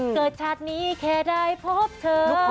ชาตินี้แค่ได้พบเธอ